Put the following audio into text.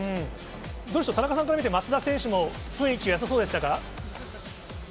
どうでしょう、田中さんから見て、松田選手も雰囲気がよさそうでしたか。